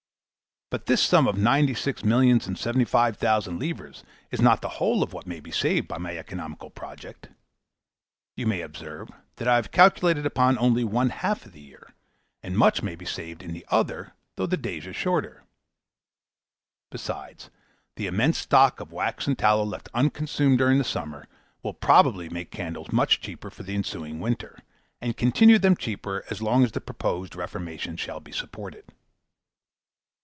But this sum of ninety six millions and seventy five thousand livres is not the whole of what may be saved by my economical project. You may observe, that I have calculated upon only one half of the year, and much may be saved in the other, though the days are shorter. Besides, the immense stock of wax and tallow left unconsumed during the summer, will probably make candles much cheaper for the ensuing winter, and continue them cheaper as long as the proposed reformation shall be supported.